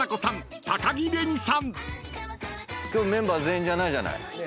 今日メンバー全員じゃないじゃない。